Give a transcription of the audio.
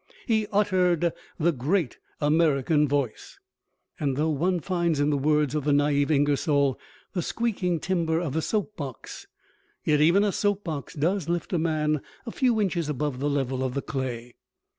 He uttered the great American voice." And though one finds in the words of the naïve Ingersoll the squeaking timber of the soapbox, yet even a soapbox does lift a man a few inches above the level of the clay.